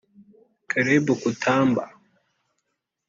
Caleb Kutamba